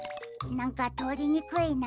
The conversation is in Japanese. なんかとおりにくいな。